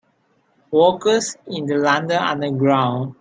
Workers in the London Underground.